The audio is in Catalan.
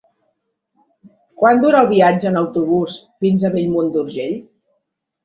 Quant dura el viatge en autobús fins a Bellmunt d'Urgell?